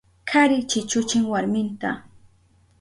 Kari chichuchin warminta.